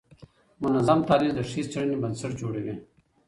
منظم تحلیل د ښې څېړني بنسټ جوړوي.